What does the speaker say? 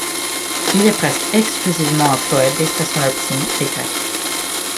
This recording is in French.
Il est presque exclusivement un poète d'expression latine et grecque.